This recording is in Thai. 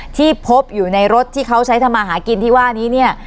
ที่พบอยู่ในรถที่เขาใช้ทำมาหากินที่ว่านี้เนี่ย